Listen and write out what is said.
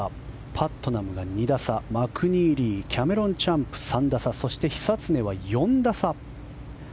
パットナムが２打差マクニーリーキャメロン・チャンプ、３打差そして久常は４打差。